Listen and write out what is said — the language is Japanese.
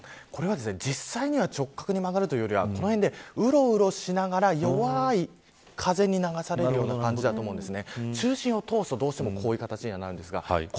これは実際には直角に曲がるというよりはこの辺でうろうろしながら弱い風に流される感じだと思います。